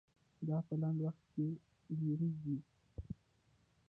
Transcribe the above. دا په لنډ وخت کې دایریږي.